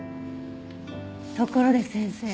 ところで先生